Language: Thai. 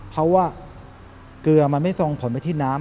เพราะว่าเกลือมันไม่ส่งผลไปที่น้ำ